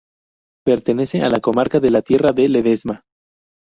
Pertenece a la comarca de la Tierra de Ledesma.